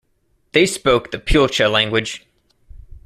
They spoke the Puelche language.